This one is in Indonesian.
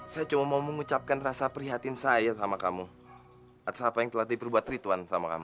saya cuma mau mengucapkan rasa prihatin saya sama kamu atas apa yang telah diperbuat rituan sama kamu